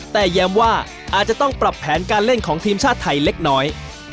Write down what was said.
แต่ย้ำว่าอาจจะต้องปรับแผนการเล่นของทีมชาติไทยเล็กน้อย